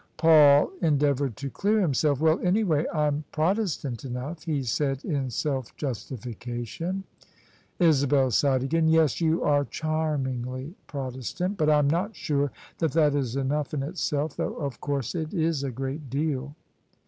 Paul endeavoured to clear himself. " Well, anyway I'm Protestant enough," he said in self justification. Isabel sighed again. " Yes, you are charmingly Protestant: but I'm not sure that that is enough in itself, though of course it is a great deal."